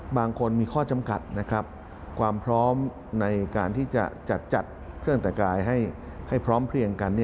บางคนมีข้อจำกัดนะครับความพร้อมในการที่จะจัดเครื่องแต่งกายให้พร้อมเพลียงกัน